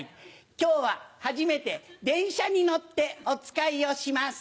今日ははじめて電車に乗っておつかいをします。